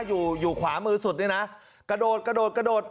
อยู่อยู่ขวามือสุดนี่นะกระโดดกระโดดกระโดดกระโดด